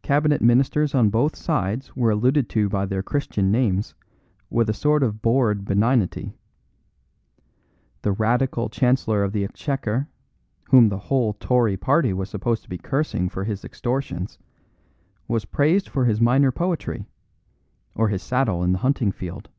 Cabinet ministers on both sides were alluded to by their Christian names with a sort of bored benignity. The Radical Chancellor of the Exchequer, whom the whole Tory party was supposed to be cursing for his extortions, was praised for his minor poetry, or his saddle in the hunting field.